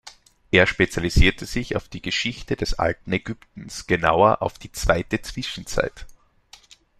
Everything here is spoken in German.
Er spezialisierte sich auf die Geschichte des Alten Ägyptens, genauer: auf die Zweite Zwischenzeit.